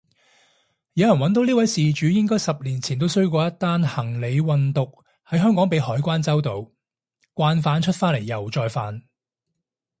有人搵到呢位事主應該十年前都衰過一單行李運毒喺香港被海關周到，慣犯出返嚟又再犯